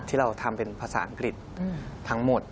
ที่เราทำเป็นภาษาอังกฤษทั้งหมด